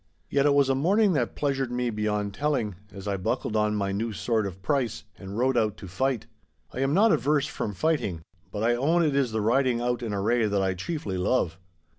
Yet it was a morning that pleasured me beyond telling, as I buckled on my new sword of price, and rode out to fight. I am not averse from fighting, but I own it is the riding out in array that I chiefly love.